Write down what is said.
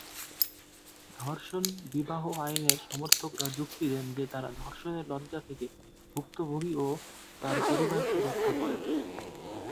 ধর্ষণ-বিবাহ আইনের সমর্থকরা যুক্তি দেন যে তারা ধর্ষণের লজ্জা থেকে ভুক্তভোগী ও তার পরিবারকে রক্ষা করেন।